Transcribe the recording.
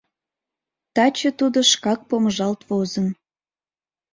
Таче тудо шкак помыжалт возын.